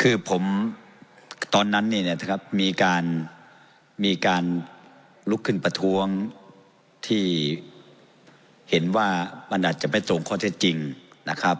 คือผมตอนนั้นเนี่ยนะครับมีการลุกขึ้นประท้วงที่เห็นว่ามันอาจจะไม่ตรงข้อเท็จจริงนะครับ